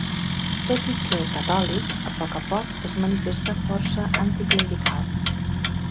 Tot i que catòlic, a poc a poc es manifesta força anticlerical.